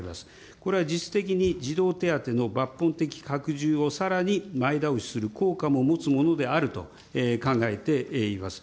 これは実質的に児童手当の抜本的拡充をさらに前倒しする効果も持つものであると考えています。